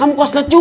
kan kaya si aceh